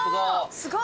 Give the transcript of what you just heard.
すごい。